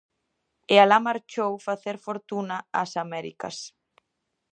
E alá marchou facer fortuna ás Américas.